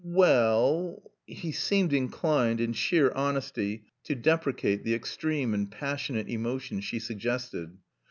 "Wall " He seemed inclined, in sheer honesty, to deprecate the extreme and passionate emotion she suggested.